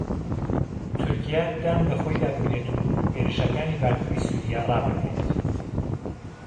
توركیا دان بە خۆیدا بگرێت و هێرشەكانی باكووری سووریا رابگرێت